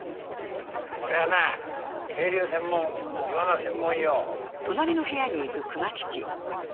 俺はな渓流専門イワナ専門よ。